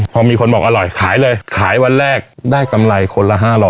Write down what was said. พอมีคนบอกอร่อยขายเลยขายวันแรกได้กำไรคนละ๕๐๐